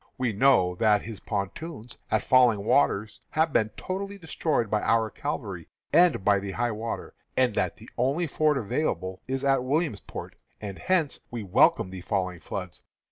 We know that his pontoons at Falling Waters have been totally destroyed by our cavalry and by the high water, and that the only ford available is at Williamsport, and hence we welcome the falling floods.